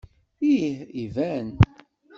Ih, iban.